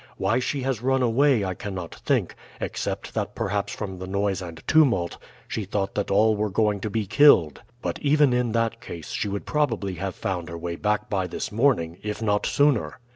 Why she has run away I cannot think, except that perhaps from the noise and tumult she thought that all were going to be killed. But even in that case she would probably have found her way back by this morning, if not sooner."